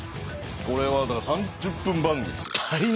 これはだから３０分番組です。